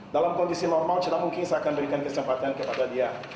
dalam kondisi normal tidak mungkin saya akan berikan kesempatan kepada dia